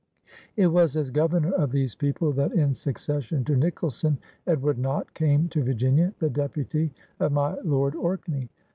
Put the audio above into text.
It was as Governor of these people that, in succession to Nicholson, Edward Nott came to Virginia, the deputy of my Lord Orkney.